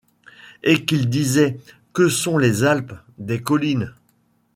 Et qu'ils disaient : -Que sont les Alpes ? des collines.